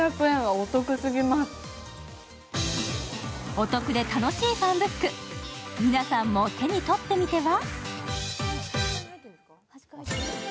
お得で楽しいファンブック、皆さんも手に取ってみては？